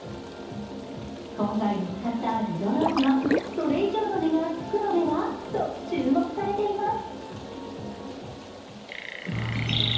今回見つかったルロ・ローズはそれ以上の値がつくのではと注目されています。